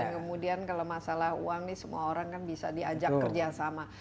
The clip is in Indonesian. kemudian kalau masalah uang ini semua orang kan bisa diajak kerjasama